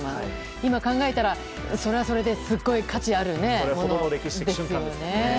今考えたら、それはそれですごい価値のあるものですよね。